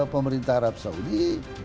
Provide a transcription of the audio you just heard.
pemerintah arab saudi